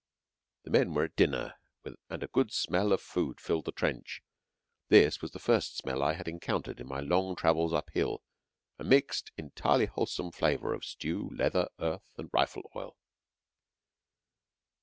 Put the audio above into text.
The men were at dinner, and a good smell of food filled the trench. This was the first smell I had encountered in my long travels uphill a mixed, entirely wholesome flavour of stew, leather, earth, and rifle oil.